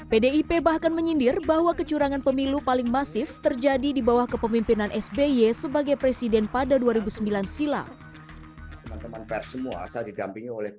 pdip bahkan menyindir bahwa kecurangan pemilu paling masif terjadi di bawah kepemimpinan sby sebagai presiden pada dua ribu sembilan silam